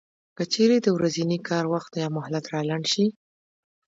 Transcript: که چېرې د ورځني کار وخت یا مهلت را لنډ شي